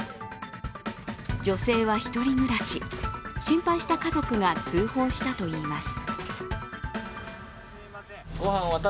女性は１人暮らし、心配した家族が通報したといいます。